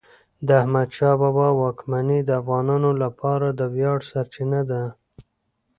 د احمدشاه بابا واکمني د افغانانو لپاره د ویاړ سرچینه ده.